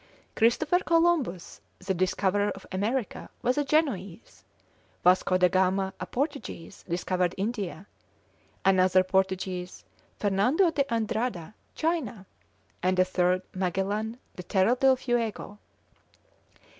Christopher Columbus, the discoverer of America, was a Genoese; Vasco da Gama, a Portuguese, discovered India; another Portuguese, Fernando de Andrada, China; and a third, Magellan, the Terra del Fuego.